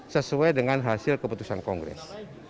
sesuai dengan hasil keputusan kongres